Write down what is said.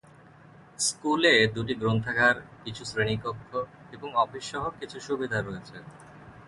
School দুটিতে গ্রন্থাগার, কিছু শ্রেণীকক্ষ এবং অফিস সহ কিছু সুবিধা রয়েছে।